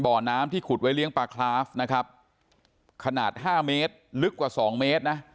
เป็นบ่อน้ำที่ขุดไว้เลี้ยงปลาคลาฟขนาด๕เมตรลึกกว่า๒เมตร